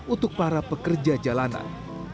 untuk para pekerja jalanan